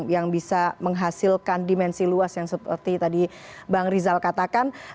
yang bisa menghasilkan dimensi luas yang seperti tadi bang rizal katakan